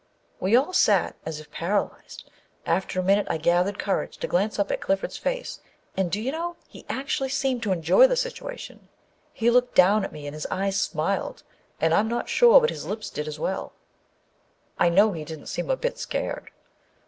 We all sat as if paralyzed. After a minute I gathered courage to glance up at Clifford's face, and, do you know, he actually seemed to enjoy the situation ! He looked down at me, and his eyes smiled â and I'm not sure but his lips did, as well. I know he didn't seem a bit scared.